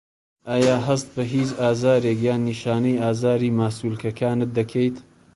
ئایا هەست بە هیچ ئازارێک یان نیشانەی ئازاری ماسوولکەکانت دەکەیت؟